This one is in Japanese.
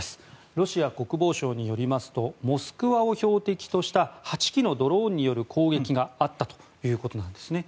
ロシア国防省によりますとモスクワを標的とした８機のドローンによる攻撃があったということです。